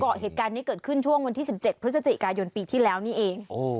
เกาะเหตุการณ์นี้เกิดขึ้นช่วงวันที่สิบเจ็ดพฤศจิกายนปีที่แล้วนี่เองโอ้